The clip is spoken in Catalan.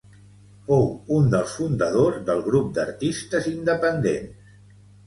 Fou un dels fundadors del grup d'artistes independents.